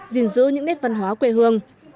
gìn giữ những nét văn hóa quê hương